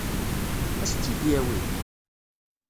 Ad s-tt-id-yawi?